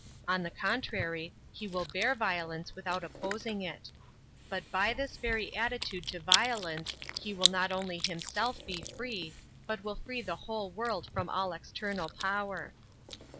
On the contrary, he will bear violence without opposing it. But by this very attitude to violence, he will not only himself be free, but will free the whole world from all external power.